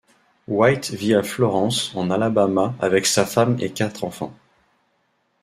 White vit à Florence, en Alabama, avec sa femme et quatre enfants.